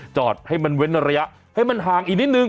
จอดให้มันเว้นระยะให้มันห่างอีกนิดนึง